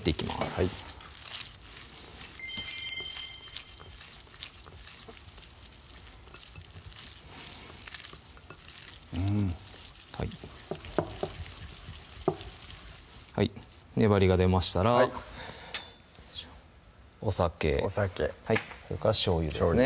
はいうんはいはい粘りが出ましたらこちらお酒お酒それからしょうゆですね